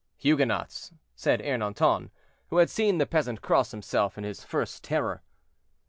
"Huguenots," said Ernanton, who had seen the peasant cross himself in his first terror.